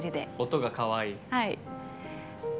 音がかわいい。